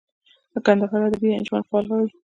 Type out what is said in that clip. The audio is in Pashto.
د کندهاري ادبي انجمن فعال غړی.